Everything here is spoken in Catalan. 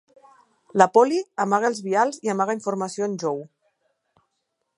La Polly amaga els vials i amaga informació a en Joe.